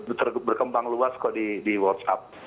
itu berkembang luas kok di whatsapp